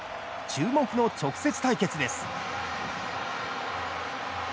注目の直接対決です。